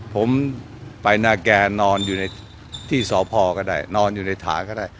ผมไปนาแก่นอนอยู่ในที่สพก็ได้นอนอยู่ในฐานก็ได้